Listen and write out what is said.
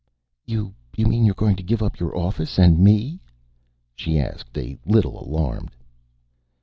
"You mean you're going to give up your office and me?" she asked, a little alarmed.